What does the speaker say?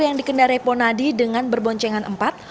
yang dikendarai ponadi dengan berboncengan empat